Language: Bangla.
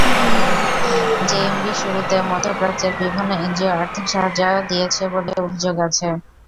জেএমবির শুরুতে মধ্যপ্রাচ্যের বিভিন্ন এনজিও আর্থিক সাহায্য দিয়েছে বলে অভিযোগ আছে।